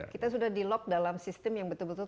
kita sudah dilock dalam sistem yang betul betul